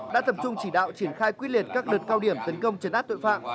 đã tập trung chỉ đạo triển khai quyết liệt các đợt cao điểm tấn công chấn áp tội phạm